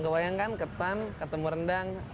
kebayangkan ketan ketemu rendang